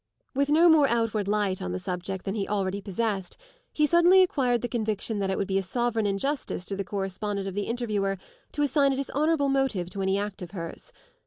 With no more outward light on the subject than he already possessed he suddenly acquired the conviction that it would be a sovereign injustice to the correspondent of the Interviewer to assign a dishonourable motive to any act of hers.